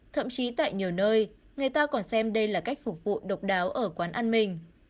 thậm chí tại nhiều nơi người ta còn xem đây là cách phục vụ độc đáo ở quán ăn mình